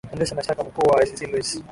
wendesha mashtaka mkuu wa icc luis